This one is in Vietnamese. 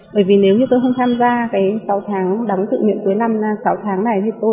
bởi vì nếu như tôi không tham gia cái sáu tháng đóng tự nguyện cuối năm sáu tháng này thì tôi sẽ chưa được nhận sự quyết định hưu